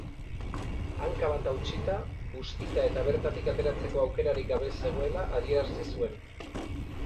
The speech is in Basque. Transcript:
Hanka bat hautsita, bustita eta bertatik ateratzeko aukerarik gabe zegoela adierazi zuen.